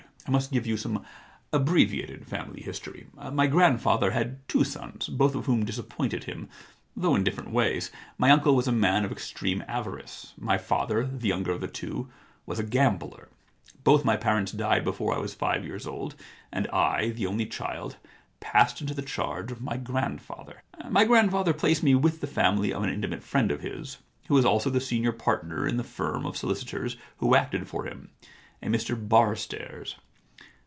I must give you some abbre viated family history. My grandfather had two sons, both of whom disappointed him, though in different ways. My uncle was a man of extreme avarice ; my father, the younger of the two, was a gambler. Both my parents died before I was five years old, 119 The Problem Club and I — the only child — passed into the charge of my grandfather. * My grandfather placed me with the family of an intimate friend of his, who was also the senior partner in the firm of solicitors who acted for him, a Mr Barstairs.